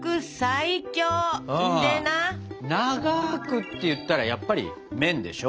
「長ーく」っていったらやっぱり麺でしょ？